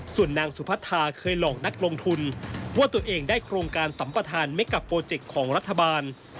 ส่วนนางสุพัทธาเคยหลอกนักลงทุนว่าตัวเองได้โครงการสัมปทานไม่กับโปรเจกต์ของรัฐบาล